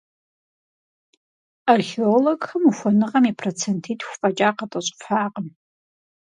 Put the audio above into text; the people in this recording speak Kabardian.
Археологхэм ухуэныгъэм и процентитху фӀэкӀ къатӏэщӏыфакъым.